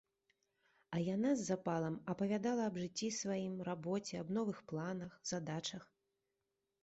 А яна з запалам апавядала аб жыцці сваім, рабоце, аб новых планах, задачах.